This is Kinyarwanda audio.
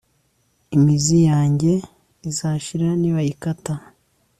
Imizi yanjye izashira nibayikata